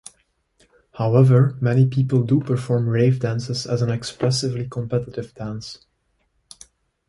However, many people do perform rave dances as an expressively competitive dance.